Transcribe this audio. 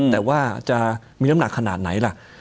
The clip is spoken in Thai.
แต่ว่าจะมีน้ำหนักขนาดไหนล่ะ